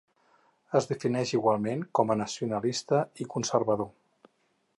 Es defineix igualment com a nacionalista i conservador.